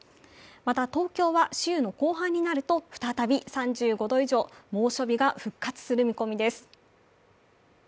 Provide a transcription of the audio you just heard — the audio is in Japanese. また、東京は週の後半になると再び３５度以上、猛暑日が復活する見込みです。